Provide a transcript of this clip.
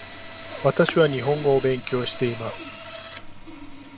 私は日本語を勉強しています